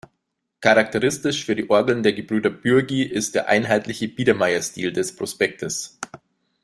Charakteristisch für die Orgeln der Gebrüder Bürgy ist der einheitliche Biedermeierstil des Prospektes.